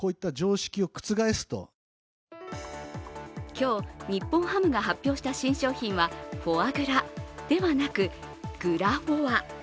今日、日本ハムが発表した新商品はフォアグラではなくグラフォア。